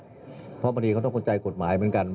เพราะบางทีเขาต้องเข้าใจกฎหมายเหมือนกัน